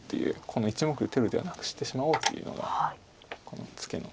この１目打てる手をなくしてしまおうというのがこのツケの。